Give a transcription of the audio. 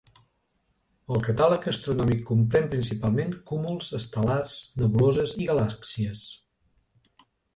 El catàleg astronòmic comprèn principalment cúmuls estel·lars, nebuloses, i galàxies.